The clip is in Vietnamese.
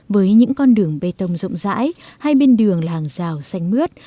với những con đường bê tông rộng rãi hai bên đường làng rào xanh mướt